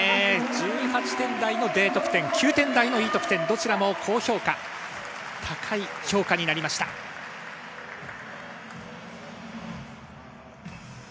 １８点台のＤ得点、９点台のＥ得点、高い評価になりました。